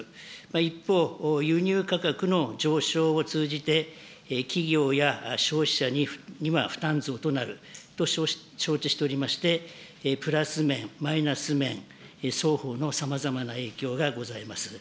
一方、輸入価格の上昇を通じて、企業や消費者には負担増となると承知しておりまして、プラス面、マイナス面、双方のさまざまな影響がございます。